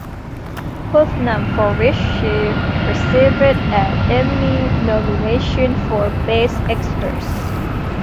Putnam, for which she received an Emmy nomination for Best Actress.